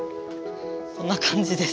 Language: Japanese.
こんな感じです。